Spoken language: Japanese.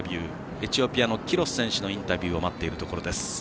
エチオピアのキロス選手のインタビューを待っているところ。